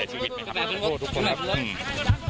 อยากพูดอะไรขอโทษรับทุกคนนะครับ